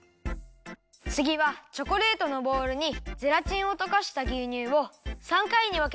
つぎはチョコレートのボウルにゼラチンをとかしたぎゅうにゅうを３かいにわけていれます。